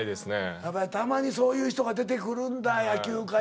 やっぱりたまにそういう人が出てくるんだ野球界も。